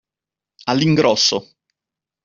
All'ingrosso.